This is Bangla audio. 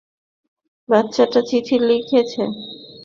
বাচ্চারা চিঠি লিখেছে।